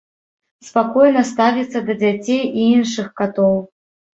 Спакойна ставіцца да дзяцей і іншых катоў.